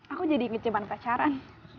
aku jadi keceban pacaran